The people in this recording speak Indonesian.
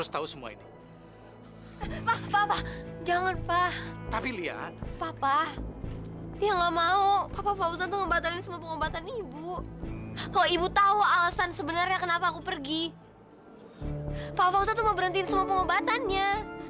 sampai jumpa di video selanjutnya